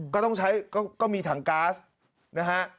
ก็ต้องใช้ก็มีถังก๊าซนะฮะ